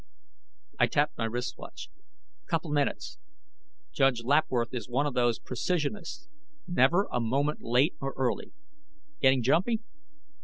I tapped my wrist watch. "Couple minutes. Judge Lapworth is one of those precisionists. Never a moment late or early. Getting jumpy?"